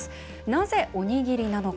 なぜ、おにぎりなのか。